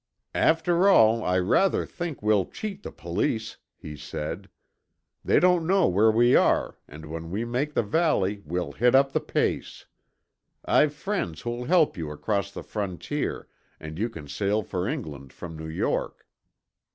"After all, I rather think we'll cheat the police," he said. "They don't know where we are and when we make the valley we'll hit up the pace. I've friends who'll help you across the frontier and you can sail for England from New York."